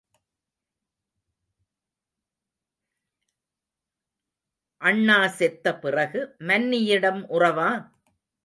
அண்ணா செத்த பிறகு மன்னியிடம் உறவா?